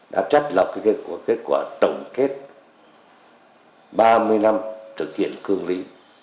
đã chắc lọc cái kết quả tổng kết ba mươi năm thực hiện cương lý một nghìn chín trăm chín mươi một